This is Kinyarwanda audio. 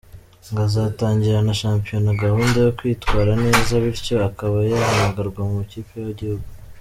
Ngo azatangirana shampiyona gahunda yo kwitwara neza bityo akaba yahamagarwa mu ikipe y’igihugu.